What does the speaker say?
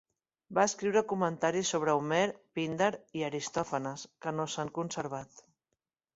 Va escriure comentaris sobre Homer, Píndar i Aristòfanes, que no s'han conservat.